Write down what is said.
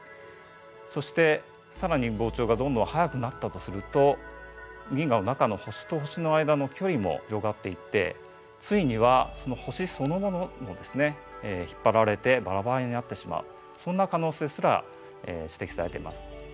そして更に膨張がどんどん速くなったとすると銀河の中の星と星の間の距離も広がっていってついには星そのものもですね引っ張られてバラバラになってしまうそんな可能性すら指摘されています。